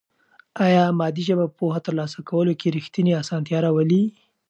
آیا مادي ژبه په پوهه ترلاسه کولو کې رښتینې اسانتیا راولي؟